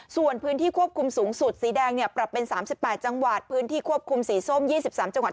ส่วนพื้นที่ควบคุมสูงสุดสีแดงปรับเป็น๓๘จังหวัดพื้นที่ควบคุมสีส้ม๒๓จังหวัด